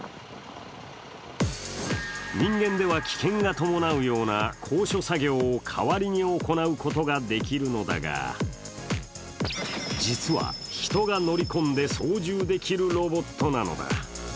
人間では危険が伴うような高所作業を代わりに行うことができるのだが、実は、人が乗り込んで操縦できるロボットなのだ。